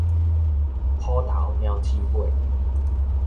虎頭鳥鼠尾